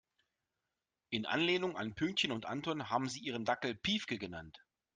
In Anlehnung an Pünktchen und Anton haben sie ihren Dackel Piefke genannt.